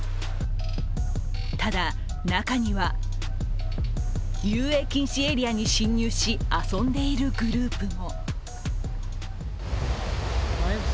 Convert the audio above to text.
ただ、中には遊泳禁止エリアに進入し、遊んでいるグループも。